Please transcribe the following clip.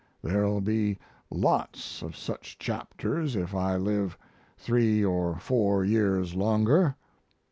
There'll be lots of such chapters if I live 3 or 4 years longer.